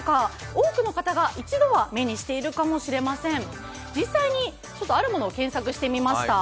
多くの方が一度は目にしているかもしれません実際にあるものを検索してみました。